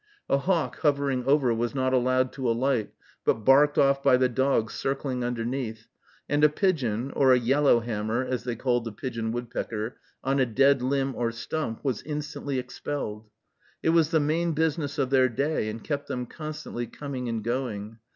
A hawk hovering over was not allowed to alight, but barked off by the dogs circling underneath; and a pigeon, or a "yellow hammer," as they called the pigeon woodpecker, on a dead limb or stump, was instantly expelled. It was the main business of their day, and kept them constantly coming and going.